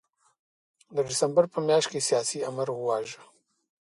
د ډسمبر په میاشت کې سیاسي آمر وواژه.